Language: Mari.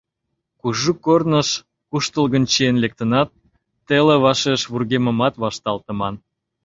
Кужу корныш куштылгын чиен лектынат, теле вашеш вургемымат вашталтыман.